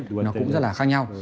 phát triển nó cũng rất là khác nhau